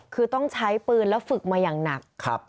คือต้องใช้ปืนแล้วฝึกมาอย่างหนัก